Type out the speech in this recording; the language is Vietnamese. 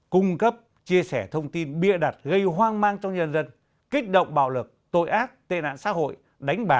cung cấp chia sẻ thông tin bia đặt gây hoang mang cho nhân dân kích động bạo lực tội ác tê nạn xã hội đánh bạc hoặc phục vụ đánh bạc